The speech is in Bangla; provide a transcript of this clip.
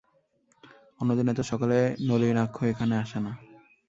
অন্যদিন এত সকালে নলিনাক্ষ এখানে আসে না।